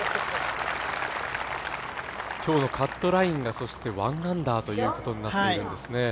今日のカットラインが１アンダーということになっているんですね。